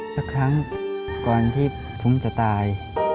สักครั้งก่อนที่ผมจะตาย